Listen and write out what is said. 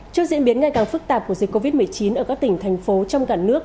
trước diễn biến ngày càng phức tạp của dịch covid một mươi chín ở các tỉnh thành phố trong cả nước